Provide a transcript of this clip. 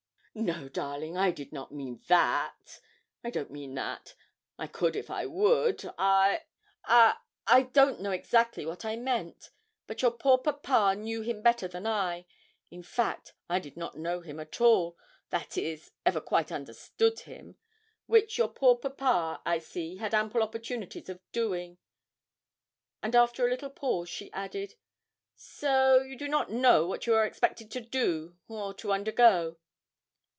'No, darling, I did not mean that I don't mean that; I could, if I would; I I don't know exactly what I meant. But your poor papa knew him better than I in fact, I did not know him at all that is, ever quite understood him which your poor papa, I see, had ample opportunities of doing.' And after a little pause, she added 'So you do not know what you are expected to do or to undergo.'